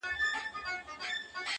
حجره سته طالب یې نسته-